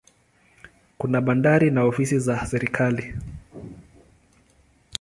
Kuna bandari na ofisi za serikali.